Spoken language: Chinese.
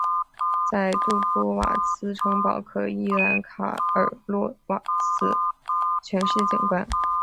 在杜波瓦茨城堡可一览卡尔洛瓦茨全市景观。